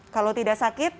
kalau tidak sakit